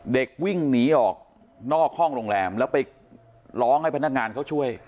เด็กวิ่งหนีออกนอกห้องโรงแรมแล้วไปร้องให้พนักงานเขาช่วย